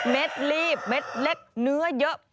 เด็ดลีบเม็ดเล็กเนื้อเยอะ